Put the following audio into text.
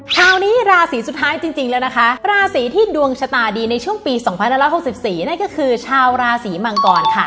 คราวนี้ราศีสุดท้ายจริงแล้วนะคะราศีที่ดวงชะตาดีในช่วงปี๒๑๖๔นั่นก็คือชาวราศีมังกรค่ะ